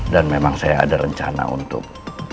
dan memang saya ada rencana untuk